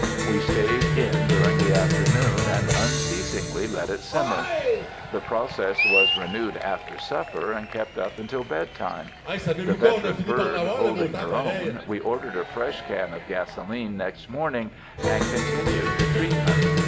We stayed in during the afternoon and unceasingly let it simmer. The process was renewed after supper and kept up until bed time. The veteran bird holding her own, we ordered a fresh can of gasoline next morning, and continued the treatment.